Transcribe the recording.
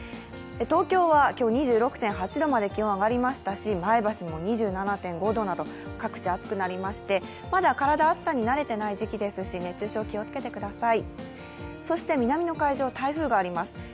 東京は今日２６．８度まで上がりましたし、前橋も２７．５度など、各地暑くなりまして、まだ体、暑さになれていない時期ですし、熱中症に気をつけてくださいそして南の海上、台風があります。